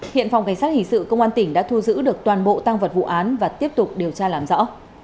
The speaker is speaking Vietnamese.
hiện phòng cảnh sát hình sự công an tỉnh đã thu giữ được toàn bộ tăng vật vụ án và tiếp tục điều tra làm rõ